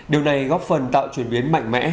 điều này góp phần tạo chuyển biến mạnh mẽ